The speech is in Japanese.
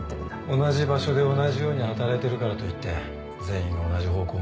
同じ場所で同じように働いてるからといって全員が同じ方向